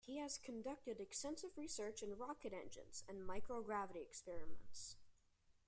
He has conducted extensive research in rocket engines and microgravity experiments.